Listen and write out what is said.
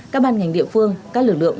các bàn ngành địa phương các lực lượng